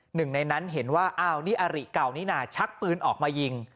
หนึ่งในนั้นเห็นว่าอ้าวนี่อาริเก่านี่น่ะชักปืนออกมายิง